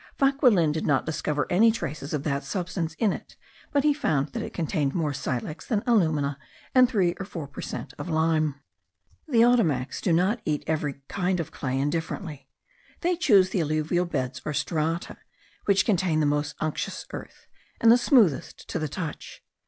Vauquelin did not discover any traces of that substance in it but he found that it contained more silex than alumina, and three or four per cent of lime. The Ottomacs do not eat every kind of clay indifferently; they choose the alluvial beds or strata, which contain the most unctuous earth, and the smoothest to the touch.